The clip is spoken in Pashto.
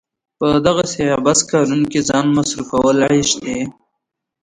په دغسې عبث کارونو کې ځان مصرفول عيش دی.